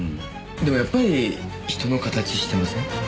でもやっぱり人の形してません？